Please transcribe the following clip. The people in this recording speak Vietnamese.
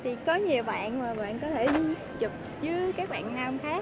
thì có nhiều bạn mà bạn có thể chụp với các bạn nam khác